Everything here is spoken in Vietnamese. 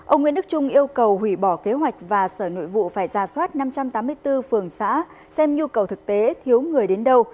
ông nguyễn đức trung yêu cầu hủy bỏ kế hoạch và sở nội vụ phải ra soát năm trăm tám mươi bốn phường xã xem nhu cầu thực tế thiếu người đến đâu